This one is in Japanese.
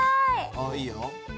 おっいいよ。